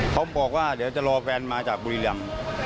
เขาบอกว่าเดี๋ยวจะรอแฟนมาจากบุรีรำ